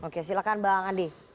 oke silakan bang andi